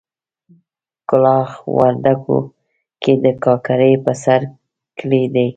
کلاخ وردګو کې د ګاګرې په سر کلی دی.